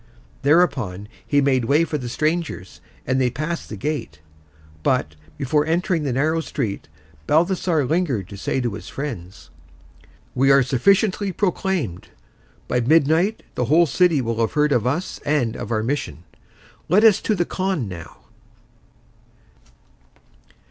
Thereupon he made way for the strangers, and they passed the gate. But, before entering the narrow street, Balthasar lingered to say to his friends, "We are sufficiently proclaimed. By midnight the whole city will have heard of us and of our mission. Let us to the khan now."